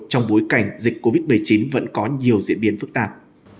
trong bối cảnh dịch covid một mươi chín vẫn có nhiều diễn biến phức tạp